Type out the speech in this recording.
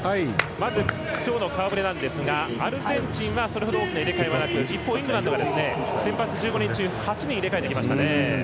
まず、今日の顔ぶれなんですがアルゼンチンはそれほど大きな入れ替えはなく一方、イングランドは先発１５人中８人入れ替えてきましたね。